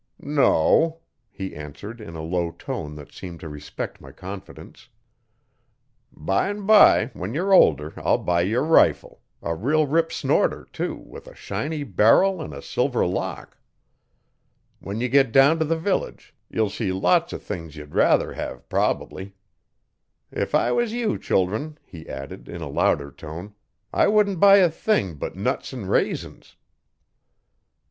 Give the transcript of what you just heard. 'No,' he answered in a low tone that seemed to respect my confidence. 'Bime by, when you're older, I'll buy ye a rifle a real rip snorter, too, with a shiny barrel 'n a silver lock. When ye get down t, the village ye'll see lots o' things y'd rather hev, prob'ly. If I was you, children,' he added, in a louder tone, 'I wouldn't buy a thing but nuts 'n' raisins.'